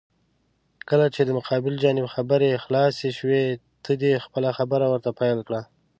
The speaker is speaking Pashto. کله چې د مقابل جانب خبرې خلاسې شوې، ته دې خپله خبره ورته پېل کړه.